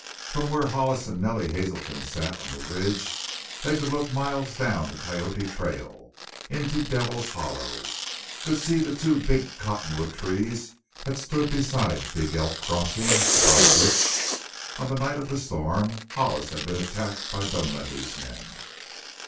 From where Hollis and Nellie Hazelton sat on the ridge they could look miles down the Coyote trail, into Devil's Hollow; could see the two big cottonwood trees that stood beside Big Elk crossing, above which, on the night of the storm, Hollis had been attacked by Dunlavey's men.